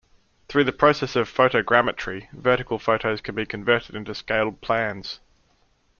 Through the process of photogrammetry, vertical photos can be converted into scaled plans.